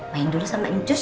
main dulu sama injus